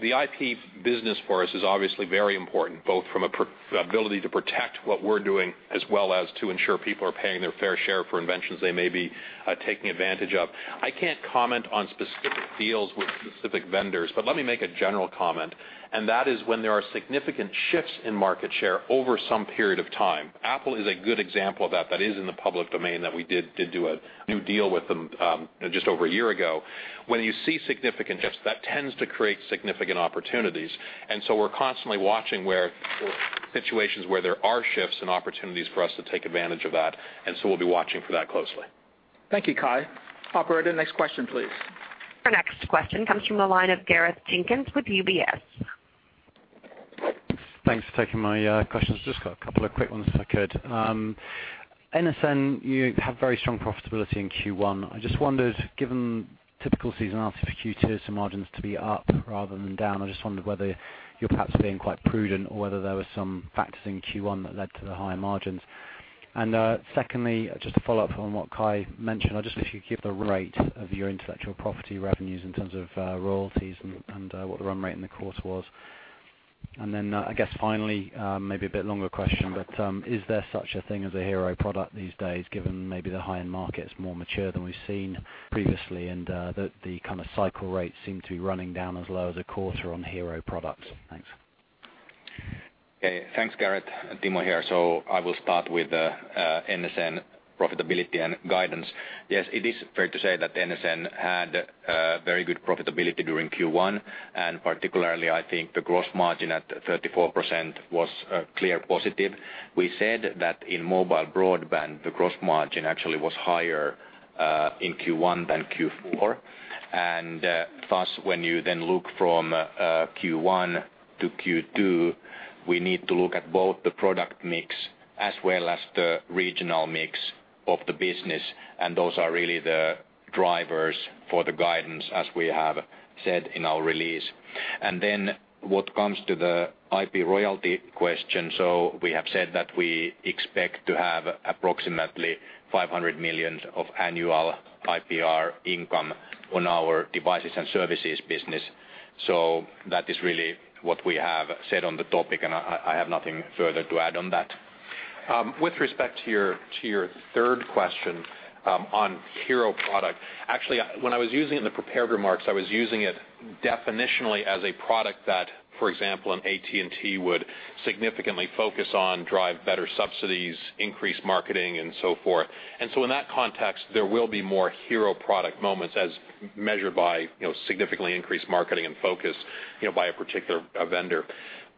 The IP business for us is obviously very important, both from an ability to protect what we're doing as well as to ensure people are paying their fair share for inventions they may be taking advantage of. I can't comment on specific deals with specific vendors, but let me make a general comment, and that is when there are significant shifts in market share over some period of time. Apple is a good example of that. That is in the public domain that we did do a new deal with them just over a year ago. When you see significant shifts, that tends to create significant opportunities. And so we're constantly watching situations where there are shifts and opportunities for us to take advantage of that. And so we'll be watching for that closely. Thank you, Kai. Operator, next question, please. Your next question comes from the line of Gareth Jenkins with UBS. Thanks for taking my questions. Just got a couple of quick ones if I could. NSN, you have very strong profitability in Q1. I just wondered, given typical seasonality for Q2, some margins to be up rather than down. I just wondered whether you're perhaps being quite prudent or whether there were some factors in Q1 that led to the higher margins. And secondly, just to follow up on what Kai mentioned, I just wondered if you could give the rate of your intellectual property revenues in terms of royalties and what the run rate in the quarter was. And then I guess finally, maybe a bit longer question, but is there such a thing as a hero product these days, given maybe the high-end market's more mature than we've seen previously and that the kind of cycle rates seem to be running down as low as a quarter on hero products? Thanks. Okay. Thanks, Gareth. Timo here. So I will start with NSN profitability and guidance. Yes, it is fair to say that NSN had very good profitability during Q1, and particularly, I think the gross margin at 34% was clear positive. We said that in mobile broadband, the gross margin actually was higher in Q1 than Q4. And thus, when you then look from Q1 to Q2, we need to look at both the product mix as well as the regional mix of the business, and those are really the drivers for the guidance, as we have said in our release. And then what comes to the IP royalty question, so we have said that we expect to have approximately 500 million of annual IPR income on our devices and services business. So that is really what we have said on the topic, and I have nothing further to add on that. With respect to your third question on hero product, actually, when I was using it in the prepared remarks, I was using it definitionally as a product that, for example, an AT&T would significantly focus on, drive better subsidies, increase marketing, and so forth. And so in that context, there will be more hero product moments as measured by significantly increased marketing and focus by a particular vendor.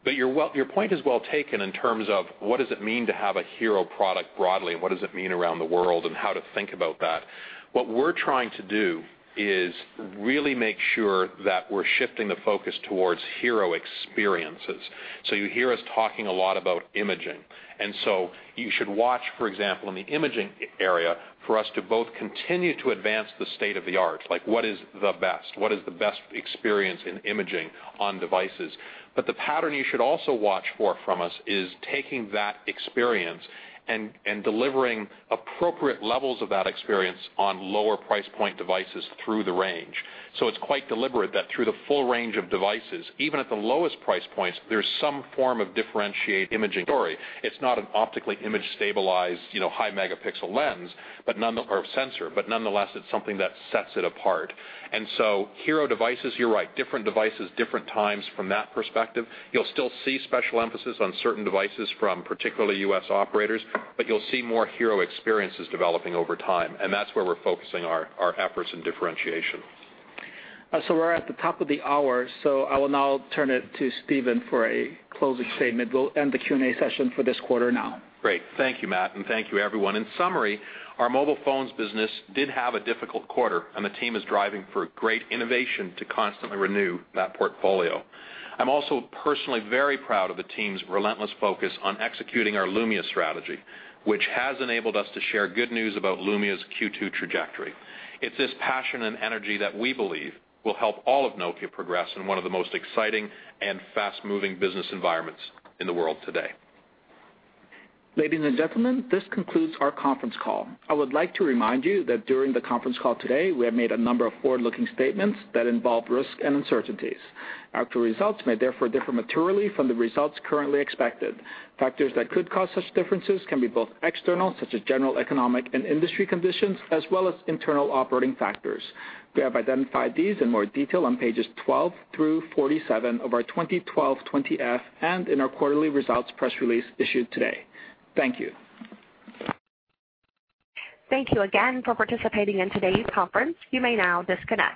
But your point is well taken in terms of what does it mean to have a hero product broadly, and what does it mean around the world, and how to think about that. What we're trying to do is really make sure that we're shifting the focus towards hero experiences. So you hear us talking a lot about imaging. And so you should watch, for example, in the imaging area for us to both continue to advance the state of the art, like what is the best? What is the best experience in imaging on devices? But the pattern you should also watch for from us is taking that experience and delivering appropriate levels of that experience on lower price point devices through the range. So it's quite deliberate that through the full range of devices, even at the lowest price points, there's some form of differentiated imaging story. It's not an optically image-stabilized high-megapixel lens or sensor, but nonetheless, it's something that sets it apart. And so hero devices, you're right. Different devices, different times from that perspective. You'll still see special emphasis on certain devices from particularly U.S. operators, but you'll see more hero experiences developing over time. And that's where we're focusing our efforts in differentiation. So we're at the top of the hour. So I will now turn it to Stephen for a closing statement. We'll end the Q&A session for this quarter now. Great. Thank you, Matt, and thank you, everyone. In summary, our mobile phones business did have a difficult quarter, and the team is driving for great innovation to constantly renew that portfolio. I'm also personally very proud of the team's relentless focus on executing our Lumia strategy, which has enabled us to share good news about Lumia's Q2 trajectory. It's this passion and energy that we believe will help all of Nokia progress in one of the most exciting and fast-moving business environments in the world today. Ladies and gentlemen, this concludes our conference call. I would like to remind you that during the conference call today, we have made a number of forward-looking statements that involve risk and uncertainties. Our actual results may therefore differ materially from the results currently expected. Factors that could cause such differences can be both external, such as general economic and industry conditions, as well as internal operating factors. We have identified these in more detail on pages 12 through 47 of our 2012 20-F and in our quarterly results press release issued today. Thank you. Thank you again for participating in today's conference. You may now disconnect.